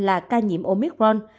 là ca nhiễm omicron